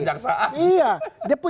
dia punya kejaksaan